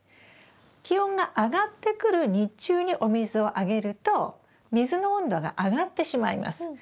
気温が上がってくる日中にお水をあげると水の温度が上がってしまいます。